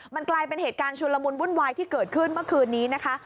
มันกลายเป็นเหตุการณ์ชุนละมุนวุ่นวายที่เกิดขึ้นเมื่อคืนนี้นะคะ